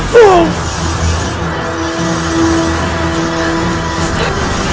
hati orang lain